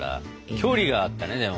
距離があったねでも。